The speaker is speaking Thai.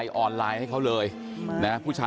ก่อนที่จะก่อเหตุนี้นะฮะไปดูนะฮะ